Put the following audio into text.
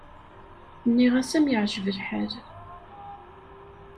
Nniɣ-as am yeεǧeb lḥal.